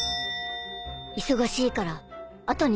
忙しいから後にしろ。